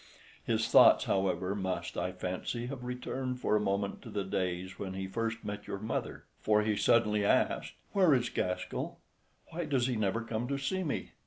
His thoughts, however, must, I fancy, have returned for a moment to the days when he first met your mother, for he suddenly asked, "Where is Gaskell? Why does he never come to see me?"